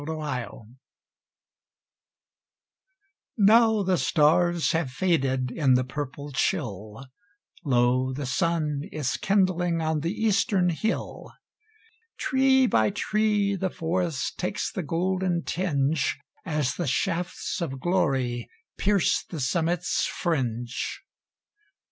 At Sunrise Now the stars have faded In the purple chill, Lo, the sun is kindling On the eastern hill. Tree by tree the forest Takes the golden tinge, As the shafts of glory Pierce the summit's fringe.